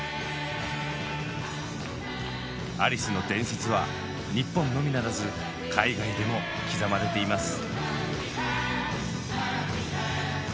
アリスの伝説は日本のみならず海外でも刻まれています。